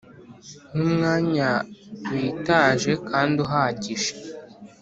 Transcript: n’umwanya witaje kandi uhagije